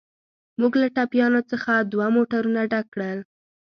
موږ له ټپیانو څخه دوه موټرونه ډک کړل.